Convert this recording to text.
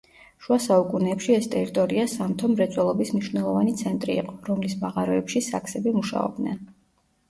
შუა საუკუნეებში ეს ტერიტორია სამთო მრეწველობის მნიშვნელოვანი ცენტრი იყო, რომლის მაღაროებში საქსები მუშაობდნენ.